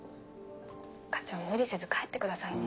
課長無理せず帰ってくださいね。